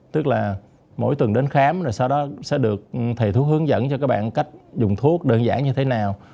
tức là mỗi tuần đến khám rồi sau đó sẽ được thầy thuốc hướng dẫn cho các bạn cách dùng thuốc đơn giản như thế nào